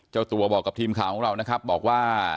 เจ้าตัวบอกกับทีมข่าวของเรานะครับบอกว่า